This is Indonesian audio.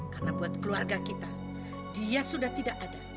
karena buat keluarga kita dia sudah tidak ada